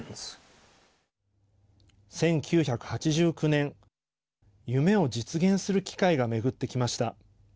１９８９年夢を実現する機会が巡ってきました。